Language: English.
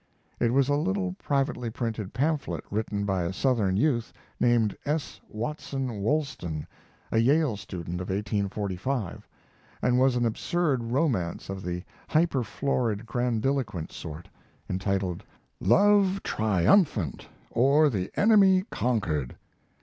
It was a little privately printed pamphlet written by a Southern youth, named S. Watson Wolston, a Yale student of 1845, and was an absurd romance of the hyperflorid, grandiloquent sort, entitled, "Love Triumphant, or the Enemy Conquered."